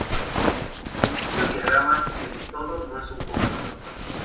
En estos diagramas el "Todo" no es un conjunto.